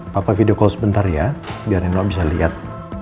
papa video call sebentar ya biar nino bisa liat